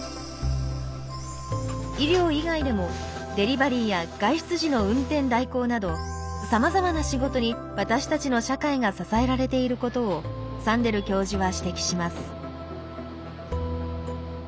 医療以外でもデリバリーや外出時の運転代行などさまざまな仕事に私たちの社会が支えられていることをサンデル教授は指摘します。